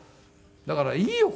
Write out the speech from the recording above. だから「いいよ！